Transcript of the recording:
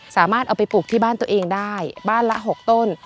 สามารถเอาไปปลูกที่บ้านตัวเองได้บ้านละ๖ต้น